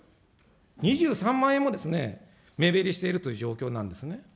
２３万円も目減りしているという状況なんですね。